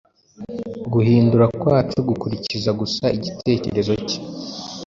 guhindura kwacu gukurikiza gusa igitekerezo cye